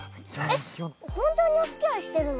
えっ本当におつきあいしてるの？